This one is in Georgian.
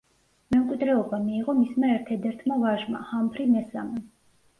მემკვიდრეობა მიიღო მისმა ერთადერთმა ვაჟმა, ჰამფრი მესამემ.